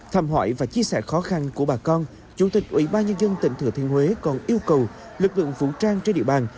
thăm hỏi và chia sẻ khó khăn của bà con chủ tịch ủy ban nhân dân tỉnh thừa thiên huế còn yêu cầu lực lượng vũ trang trên địa bàn